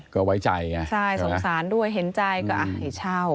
ก็ไว้ใจสงสารด้วยเห็นใจก็ไอ้เช่า